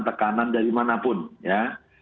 tekanan dari mana pun ya